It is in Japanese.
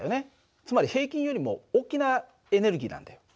つまり平均よりも大きなエネルギーなんだよ。